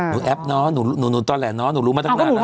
หนูแอบเนอะหนูรู้ตอนแหลนเนอะหนูรู้มาตั้งนานนะเนาะ